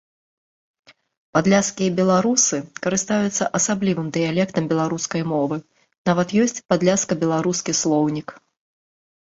Падляшскія беларусы карыстаюцца асаблівым дыялектам беларускай мовы, нават ёсць падляшска-беларускі слоўнік.